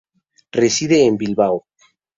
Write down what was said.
Reside en Bilbao.